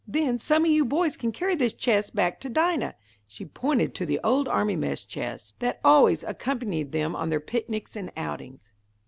"Then some of you boys can carry this chest back to Dinah." She pointed to the old army mess chest, that always accompanied them on their picnics and outings.